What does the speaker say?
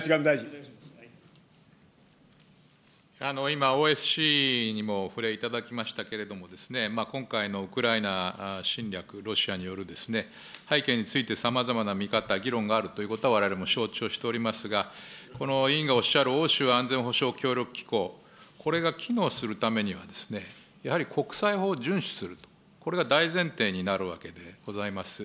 今、ＯＳＣにもお触れいただきましたけれども、今回のウクライナ侵略、ロシアによるですね、背景について、さまざまな見方、議論があるということはわれわれも承知をしておりますが、この委員がおっしゃる欧州安全保障協力機構、これが機能するためにはですね、やはり国際法を順守すると、これが大前提になるわけでございます。